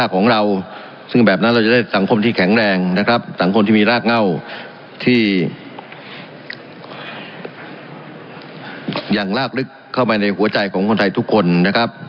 แปลงนะครับสังคมที่มีรากเง้าที่อย่างรากลึกเข้ามาในหัวใจของคนไทยทุกคนนะครับ